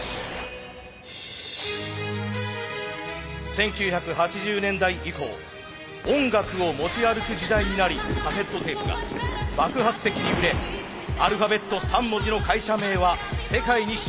１９８０年代以降音楽を持ち歩く時代になりカセットテープが爆発的に売れアルファベット３文字の会社名は世界に知れ渡りました。